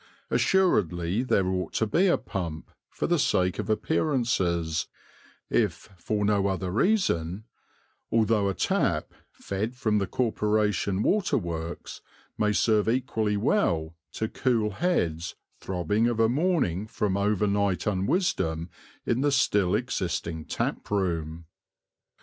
Assuredly there ought to be a pump, for the sake of appearances, if for no other reason, although a tap, fed from the Corporation Waterworks, may serve equally well to cool heads throbbing of a morning from overnight unwisdom in the still existing tap room.